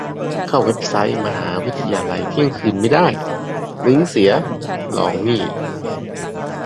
เข้าเว็บไซต์มหาวิทยาลัยเที่ยงคืนไม่ได้ ? ลิงก์เสีย ? ลองนี่